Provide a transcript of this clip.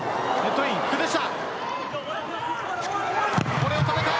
これを止めた。